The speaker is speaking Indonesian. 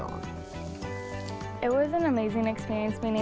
itu adalah pengalaman yang sangat menarik